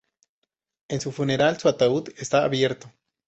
En su funeral su ataúd está abierto.